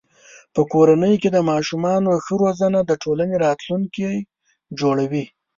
په کورنۍ کې د ماشومانو ښه روزنه د ټولنې راتلونکی جوړوي.